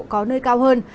có nơi cao hơn